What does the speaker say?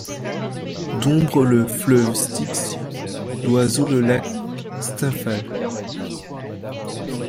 D’ombres le fleuve Styx, d’oiseaux le lac Stymphale